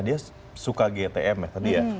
dia suka gtm ya tadi ya